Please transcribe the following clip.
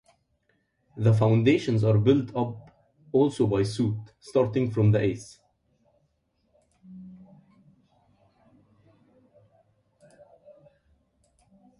The foundations are built up also by suit, starting from the ace.